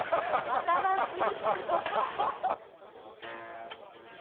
新しい。